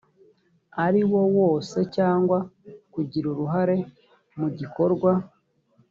ariwo wose cyangwa kugira uruhare mu gikorwa